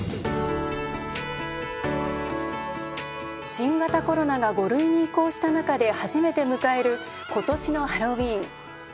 新型コロナが５類に移行した中で初めて迎える今年のハロウィーン。